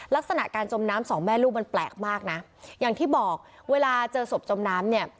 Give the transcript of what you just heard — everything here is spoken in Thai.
ลักษณะการจมน้ำสองแม่ลูกมันแปลกมากนะอย่างที่บอกเวลาเจอศพจมน้ำเนี่ย